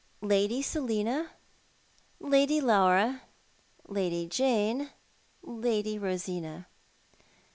Lady Selina, Lady Laura, Lady Jane, Lady Rosiua."